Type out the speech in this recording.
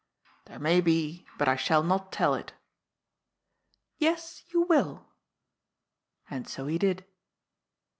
« There may be, but I shall not tell it." « Yes, you will." And so he did.